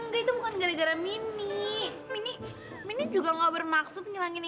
bisa balik ke rumah ini lagi